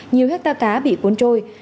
nhiều hecta cá bị cuốn trôi